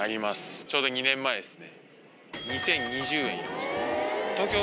ちょうど２年前ですね。